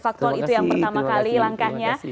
faktor itu yang pertama kali langkahnya